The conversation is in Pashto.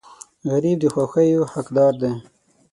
غریب د خوښیو حقدار دی